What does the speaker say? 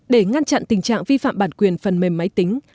để ngăn chặn tình trạng vi phạm bản quyền phần mềm máy tính